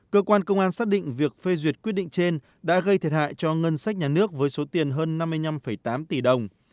cơ quan công an xác định việc phê duyệt quyết định trên đã gây thiệt hại cho ngân sách nhà nước với số tiền hơn năm mươi năm tám tỷ đồng